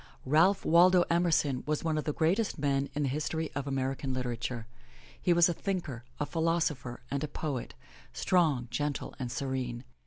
Ralph Waldo Emerson was one of the greatest men in the history of American literature. He was a thinker, a philosopher and a poet, strong, gentle and serene.